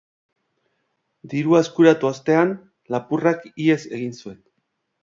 Dirua eskuratu ostean, lapurrak ihes egin zuen.